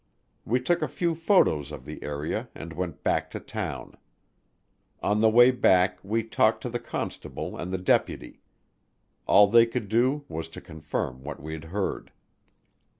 We took a few photos of the area and went back to town. On the way back we talked to the constable and the deputy. All they could do was to confirm what we'd heard.